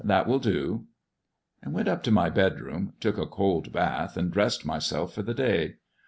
That will do." I went up to my bedroom, took a cold bath, and dressed myself for the day.